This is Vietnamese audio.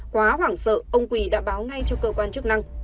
quá hoảng sợ ông quỳ đã báo ngay cho cơ quan chức năng